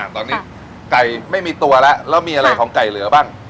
ตอนนี้ไก่ไม่มีตัวแล้วแล้วมีอะไรของไก่เหลือบ้าง